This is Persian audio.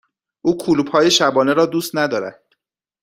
او کلوپ های شبانه را دوست ندارد.